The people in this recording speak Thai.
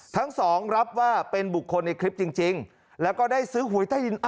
สำหรับรับว่าเป็นบุคคลในคลิปจริงแล้วก็ได้ซื้อหวยใต้ดิน